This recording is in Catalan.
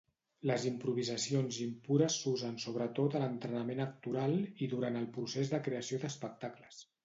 Les improvisacions impures s'usen sobretot a l'entrenament actoral i durant el procés de creació d'espectacles.